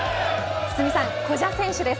堤さん、古謝選手です。